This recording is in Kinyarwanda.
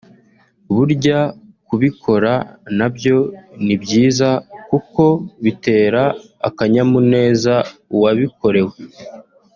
Burya kubikora nabyo ni byiza kuko bitera akanyamuneza uwabikorewe